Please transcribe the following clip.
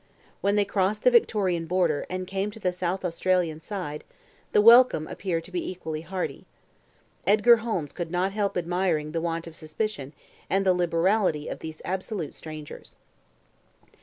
When they crossed the Victorian border, and came to the South Australian side, the welcome appeared to be equally hearty. Edgar Holmes could not help admiring the want of suspicion and the liberality of these absolute strangers.